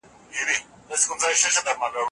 حضوري ټولګي زده کوونکو ته عملي تمرينونه وړاندې کړل.